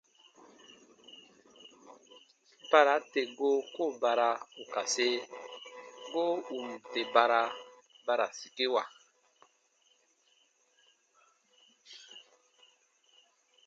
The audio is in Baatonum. Bara tè goo koo bara ù ka se, goo ù n tè bara, ba ra sikewa.